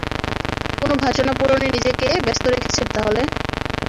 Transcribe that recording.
কোন বাসনা পূরণে নিজেকে ব্যস্ত রেখেছেন তাহলে?